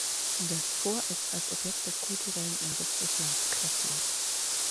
Das Fort ist als Objekt des kulturellen Erbes Russlands klassiert.